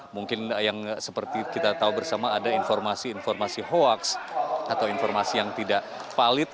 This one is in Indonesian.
mungkin yang seperti kita tahu bersama ada informasi informasi hoax atau informasi yang tidak valid